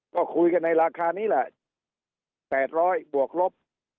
ก็คุยกันในราคานี้แหละ๘๐๐บวกลบ